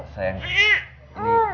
sayang ini boleh nggak buat aku